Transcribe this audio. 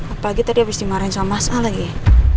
apalagi tadi abis dimarahin sama masa lagi ya